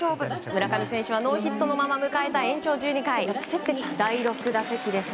村上選手はノーヒットのまま迎えた延長１２回、第６打席です。